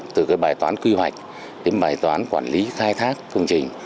từ bài toán quy hoạch đến bài toán quản lý khai thác công trình